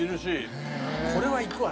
「これは行くわな」